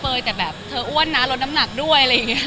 ยแต่แบบเธออ้วนนะลดน้ำหนักด้วยอะไรอย่างนี้